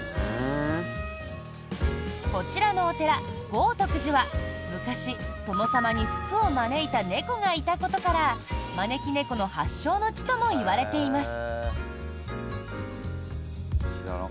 こちらのお寺、豪徳寺は昔、殿様に福を招いた猫がいたことから招き猫の発祥の地ともいわれています。